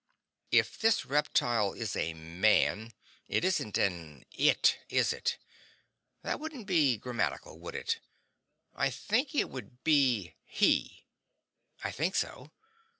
If this reptile is a man, it isn't an IT, is it? That wouldn't be grammatical, would it? I think it would be HE. I think so.